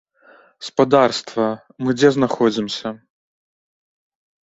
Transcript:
Спадарства, мы дзе знаходзімся?